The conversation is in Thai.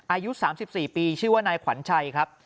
อายุ๓๔ปีชื่อว่านายขวัญชัยครับ